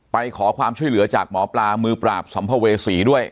ไปขอความช่วยเหลือจากหมอปลามือปราบสัมภเวษีด้วย